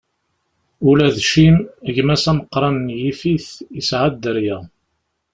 Ula d Cim, gma-s ameqran n Yifit, isɛa dderya.